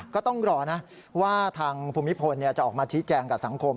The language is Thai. ก็ต้องรอนะว่าทางภูมิพลจะออกมาชี้แจงกับสังคม